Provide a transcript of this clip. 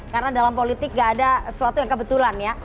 karena dalam politik gak ada sesuatu yang kebetulan ya